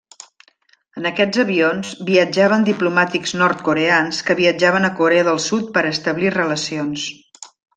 En aquests avions viatjaven diplomàtics nord-coreans que viatjaven a Corea del Sud per establir relacions.